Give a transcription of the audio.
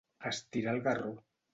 Estirar el garró.